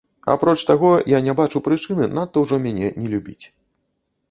Апроч таго, я не бачу прычыны надта ўжо мяне не любіць.